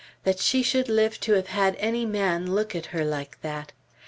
That she should live to have had any man look at her like that!